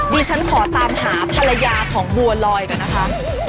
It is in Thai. ดิฉันขอตามหาภรรยาของบัวลอยก่อนนะคะ